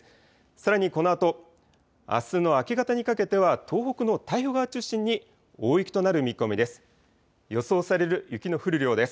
さらにこのあとあすの明け方にかけては東北の太平洋側中心に大雪となる見込みです。